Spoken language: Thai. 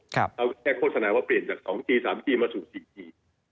เขาแค่โฆษณาว่าเปลี่ยนจาก๒ที๓จีมาสู่๔ที